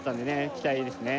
期待ですね